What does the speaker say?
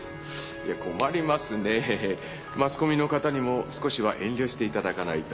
いや困りますねマスコミの方にも少しは遠慮していただかないと。